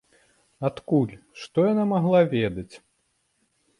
Адкуль, што яна магла ведаць?